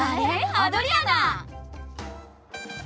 アドリアナ！